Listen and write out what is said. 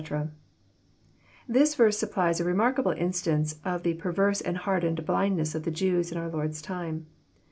'] This verse snppUes a remarkable instaDce of the perverse and hardened blindness of the Jews in our Lord's time.